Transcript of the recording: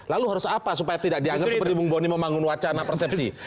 lalu harus apa supaya tidak dianggap seperti bung boni membangun wacana persepsi